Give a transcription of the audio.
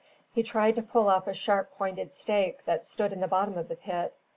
He tried to pull up a sharp pointed stake that stood in the bottom of the pit.